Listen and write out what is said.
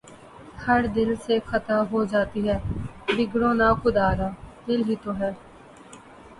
ہر دل سے خطا ہو جاتی ہے، بگڑو نہ خدارا، دل ہی تو ہے